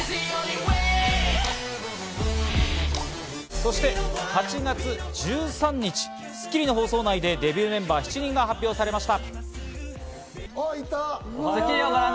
そして８月１３日、『スッキリ』の放送内でデビューメンバー７人が発表されました。